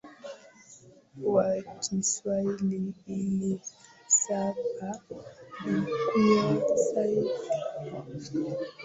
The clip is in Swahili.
ya Kiswahili ilisambaa na kukua zaidi nchini